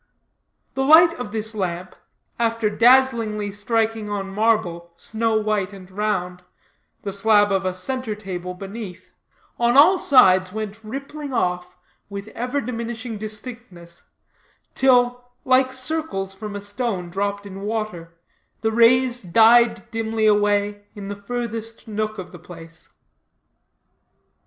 The light of this lamp, after dazzlingly striking on marble, snow white and round the slab of a centre table beneath on all sides went rippling off with ever diminishing distinctness, till, like circles from a stone dropped in water, the rays died dimly away in the furthest nook of the place.